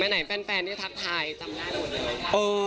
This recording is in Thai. เมื่อไหนแฟนที่ทักทายจำได้หมดแล้ว